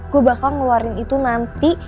gue bakal ngeluarin itu nanti